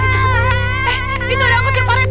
eh itu ada angkutnya pak rt